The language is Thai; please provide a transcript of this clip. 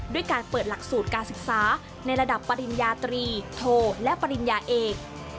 ด้วยการเปิดหลักสูตรการศึกษาในระดับปริญญาตรีโทและปริญญาเอก